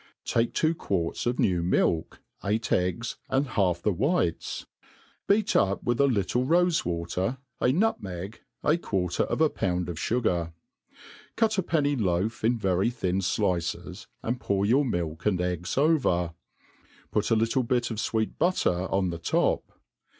TAKE two quarts of new milk, eight eggs, and half the whites, beat up with a Irtde rofe^water, a nutmeg, a quarter of a pound of fugar ; cut a penny loaf in very thin flicesi and pour your milk and eggs over* Put a little bit of fweet butter on the top.